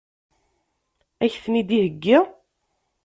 Ad k-ten-id-iheggi?